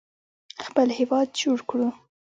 خپل هیواد جوړ کړو.